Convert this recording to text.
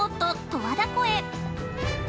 十和田湖へ。